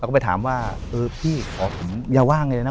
แล้วก็ไปถามว่าพี่ขอผมอย่าว่าไงนะ